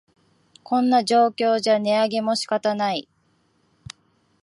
こんな状況じゃ値上げも仕方ない